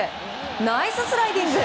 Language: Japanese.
ナイススライディング！